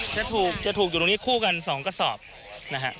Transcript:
จะถูกจะถูกอยู่ตรงนี้คู่กัน๒กระสอบนะฮะ